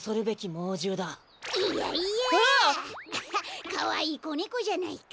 アハッかわいいこねこじゃないか。